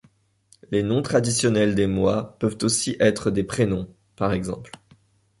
Les noms traditionnels des mois peuvent aussi être des prénoms, p. ex.